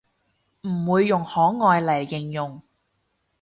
唔會用可愛嚟形容